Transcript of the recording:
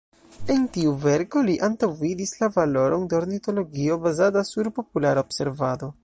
En tiu verko li antaŭvidis la valoron de ornitologio bazata sur populara observado.